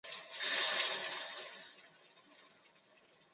只设有月台而没有站舍。